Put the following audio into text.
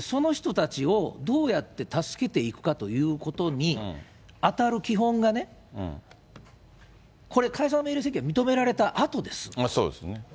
その人たちをどうやって助けていくかということにあたる基本がね、これ、解散命令請求が認められたあとです。